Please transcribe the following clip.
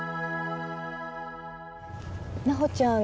菜穂ちゃん